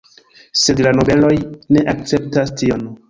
Sed la nobeloj ne akceptas tion.